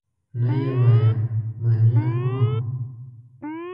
نه یې وایم، منې خو؟